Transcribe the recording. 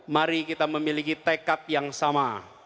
mari kita memiliki tekad yang sama